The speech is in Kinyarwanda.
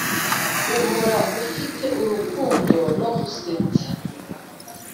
uhora ufite urukundo no gusetsa,